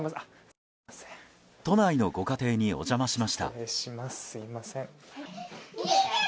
都内のご家庭にお邪魔しました。